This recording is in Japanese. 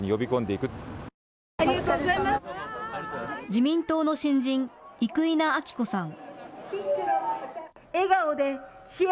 自民党の新人、生稲晃子さん。